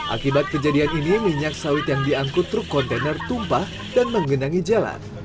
akibat kejadian ini minyak sawit yang diangkut truk kontainer tumpah dan menggenangi jalan